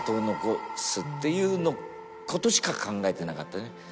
っていうことしか考えてなかったね。